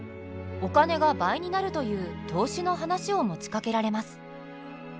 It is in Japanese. お金が倍になるという投資の話を持ちかけられます。